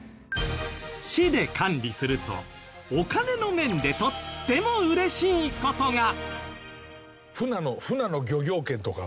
市で管理するとお金の面でとっても嬉しい事が！